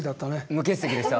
無欠席でした。